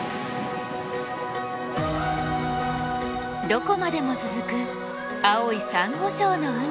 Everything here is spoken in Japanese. どこまでも続く青いサンゴ礁の海。